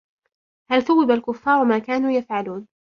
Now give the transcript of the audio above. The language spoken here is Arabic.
هَلْ ثُوِّبَ الْكُفَّارُ مَا كَانُوا يَفْعَلُونَ